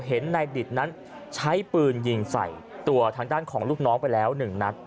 เห็นนายดิตนั้นใช้ปืนยิงใส่ตัวทางด้านของลูกน้องไปแล้วหนึ่งนัด